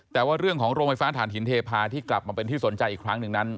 แต่ว่าเรื่องของโรงไฟฟ้าฐานหินเทพาที่กลับมาเป็นที่สนใจอีกครั้งหนึ่งนั้น